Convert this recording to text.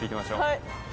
はい。